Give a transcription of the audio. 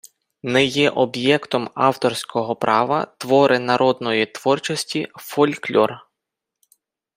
Не є об'єктом авторського права твори народної творчості, фольклор